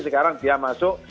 sekarang dia masuk